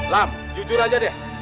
lam jujur aja deh